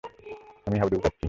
আমি হাবুডুবু খাচ্ছি।